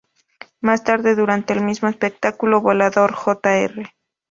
Más tarde, durante el mismo espectáculo, Volador Jr.